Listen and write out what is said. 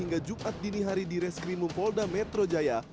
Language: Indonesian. hingga jumat dini hari di reskrimum polda metro jaya